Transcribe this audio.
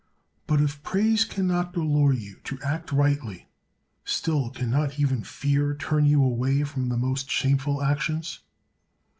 But if praise can not allure you to act rightly, still can not even fear turn you away from the most shameful actions?